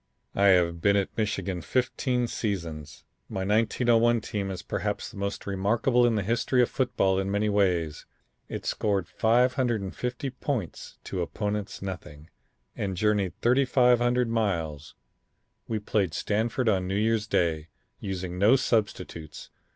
"I have been at Michigan fifteen seasons. My 1901 team is perhaps the most remarkable in the history of football in many ways. It scored 550 points to opponents' nothing, and journeyed 3500 miles. We played Stanford on New Year's day, using no substitutes.